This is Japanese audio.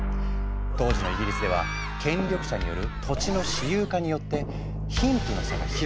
当時のイギリスでは権力者による土地の私有化によって貧富の差が広がっていった。